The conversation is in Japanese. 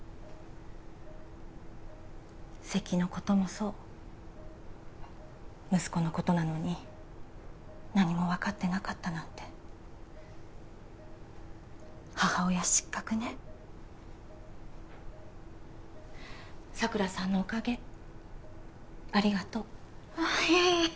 せきのこともそう息子のことなのに何も分かってなかったなんて母親失格ね佐倉さんのおかげありがとうあっいえいえ